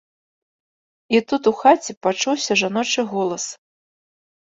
І тут у хаце пачуўся жаночы голас.